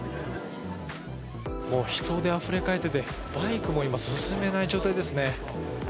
人であふれ返っていてバイクも今、進めない状態ですね。